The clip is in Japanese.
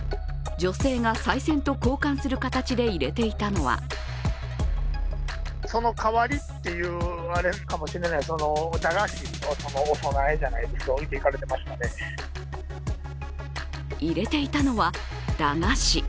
女性がさい銭と交換する形で入れていたのは入れていたのは、駄菓子。